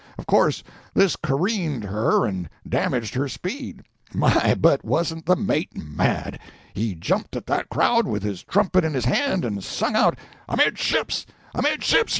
Of course this careened her and damaged her speed. My, but wasn't the mate mad! He jumped at that crowd, with his trumpet in his hand, and sung out— "Amidships!